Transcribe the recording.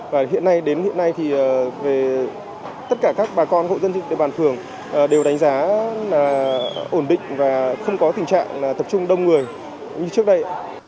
và hiện nay đến hiện nay thì về tất cả các bà con hộ dân trên địa bàn phường đều đánh giá là ổn định và không có tình trạng là tập trung đông người như trước đây